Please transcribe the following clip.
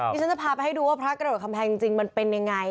ที่ฉันจะพาไปให้ดูว่าพระกระโดดคำแพงจริงมันเป็นยังไง